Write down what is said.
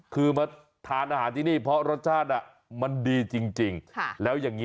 คือมาทานอาหารที่นี่เพราะรสชาต้ะมันดีจริง